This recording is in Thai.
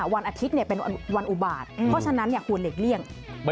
วันอาทิตย์เป็นวันอุบาตเพราะฉะนั้นควรหลีกเลี่ยง